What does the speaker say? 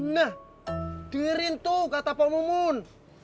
nah dengerin tuh kata pol mumun